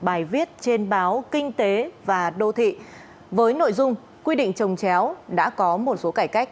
bài viết trên báo kinh tế và đô thị với nội dung quy định trồng chéo đã có một số cải cách